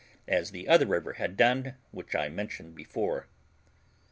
as the other river had done which I mentioned before.